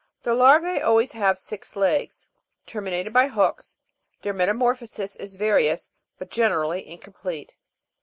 The Iarva9 always have six legs terminated by hooks ; their metamorphosis is various, but generally incomplete.